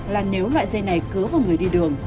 là nếu loại dây này cứa vào người đi đường